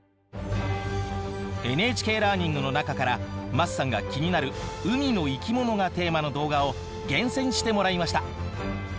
ＮＨＫラーニングの中から桝さんが気になる海の生き物がテーマの動画を厳選してもらいました。